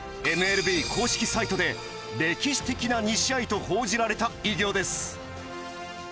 ＭＬＢ公式サイトで歴史的な２試合と報じられた偉業です。